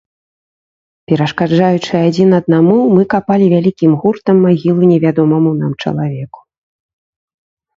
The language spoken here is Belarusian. Перашкаджаючы адзін аднаму, мы капалі вялікім гуртам магілу невядомаму нам чалавеку.